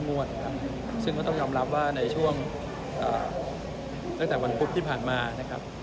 ว่าในช่วงตั้งแต่วันพุธที่ผ่านมานะครับ